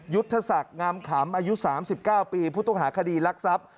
ยุทธศักดิ์งามขำอายุ๓๙ปีผู้ต้องหาคดีรักทรัพย์